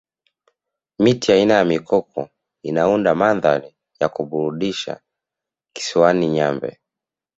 miti aina ya mikoko inaunda mandhari ya kuburudisha kisiwani nyambe